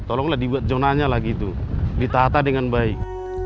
tolonglah dibuat jonanya lah gitu ditata dengan baik